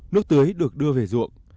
nước tưới được đưa về ruộng